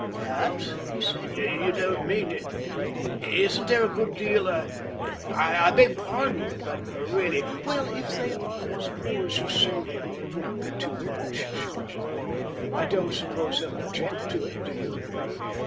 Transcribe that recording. "That?" he said. "You don't mean isn't there a good deal I beg pardon but really" "Well, if they are as poor as you say they are, it won't be too much," she replied. "I don't suppose they'll object to it: do you?"